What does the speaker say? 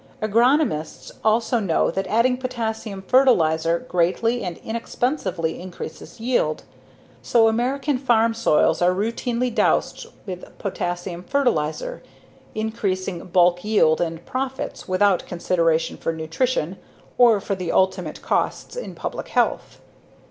Agronomists also know that adding potassium fertilizer greatly and inexpensively increases yield. So American farm soils are routinely dosed with potassium fertilizer, increasing bulk yield and profits without consideration for nutrition, or for the ultimate costs in public health.